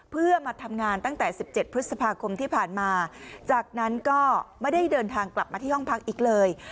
เพื่อมาทำงานตั้งแต่๑๗พฤษภาคมที่ผ่านมาจากนั้นก็ไม่ได้เดินทางกลับมาที่ห้องพักอีกเลย